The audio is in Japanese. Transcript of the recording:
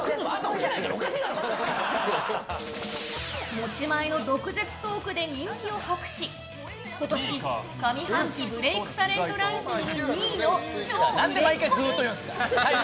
持ち前の毒舌トークで人気を博し今年、上半期ブレいクタレントランキングで２位の超売れっ子に！